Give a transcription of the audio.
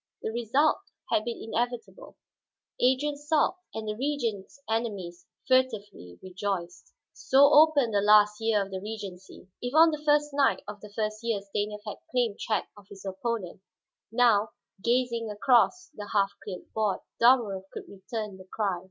The result had been inevitable; Adrian sulked and the Regent's enemies furtively rejoiced. So opened the last year of the regency. If on the first night of the first year Stanief had claimed check of his opponent, now, gazing across the half cleared board, Dalmorov could return the cry.